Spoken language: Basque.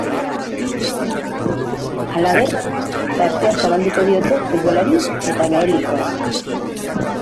Halaber, tartea zabalduko diote futbolari eta gaelikoari.